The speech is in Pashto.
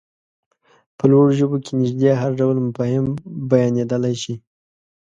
په لوړو ژبو کې نږدې هر ډول مفاهيم بيانېدلای شي.